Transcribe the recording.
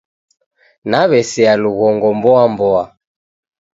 Naw'esea lughongo mboa mboa.